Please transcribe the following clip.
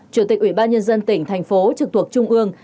chủ tịch ubnd tỉnh thành phố trực thuộc trung ương